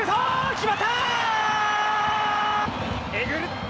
決まった。